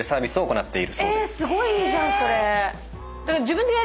すごいいいじゃんそれ。